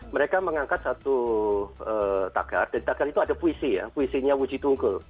mereka mengangkat satu tagar dan tagar itu ada puisi ya puisinya wuji tunggul